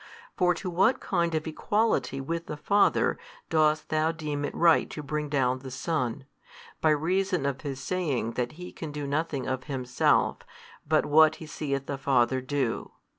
For to what kind of equality with the Father dost thou deem it right to bring down the Son, by reason of His saying that He can do nothing of Himself, but what He seeth the Father do?